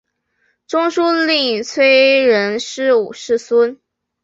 中书令崔仁师五世孙。